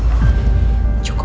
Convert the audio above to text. kamu itu harusnya bersyukur